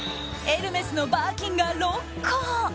エルメスのバーキンが６個！